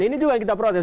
ini juga yang kita protes